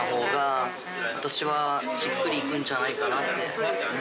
そうですよね。